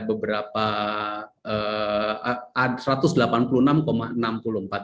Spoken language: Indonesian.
beberapa satu ratus delapan puluh enam komponen yang dikumpulkan